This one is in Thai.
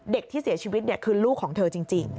เด็กที่เสียชีวิตคือลูกของเธอจริง